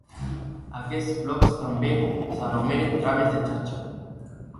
Aquests blocs també s'anomenen trames de xarxa.